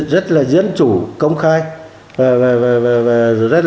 rất là diễn chủ công khai và có thể nói là một phiên tòa mậu về điển hình tánh thục trước tòa